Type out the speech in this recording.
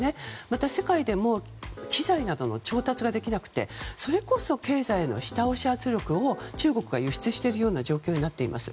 また世界でも機材などの調達ができなくてそれこそ経済への下押し圧力を中国が輸出しているような状況になっています。